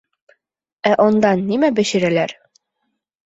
Ә ондан нимә бешерәләр?